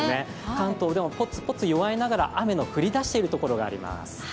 関東でもポツポツ弱いながらも雨の降りだしているところがあります。